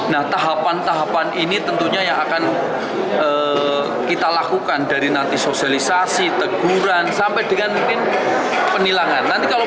nah tahapan tahapan ini tentunya yang akan kita lakukan dari nanti sosialisasi teguran sampai dengan mungkin penilangan